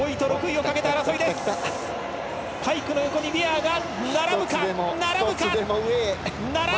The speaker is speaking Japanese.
パイクの横にウィアーが並ぶか。